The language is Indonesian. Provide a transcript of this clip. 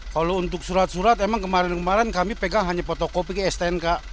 kalau untuk surat surat emang kemarin kemarin kami pegang hanya fotokopi ke stnk